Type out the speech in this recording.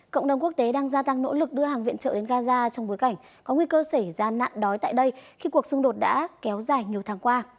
cộng đồng quốc tế đang gia tăng nỗ lực đưa hàng viện trợ đến gaza trong bối cảnh có nguy cơ xảy ra nạn đói tại đây khi cuộc xung đột đã kéo dài nhiều tháng qua